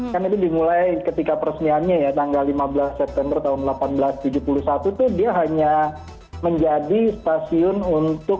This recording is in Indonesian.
kan itu dimulai ketika peresmiannya ya tanggal lima belas september tahun seribu delapan ratus tujuh puluh satu tuh dia hanya menjadi stasiun untuk